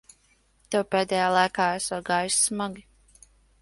Tev pēdējā laikā esot gājis smagi.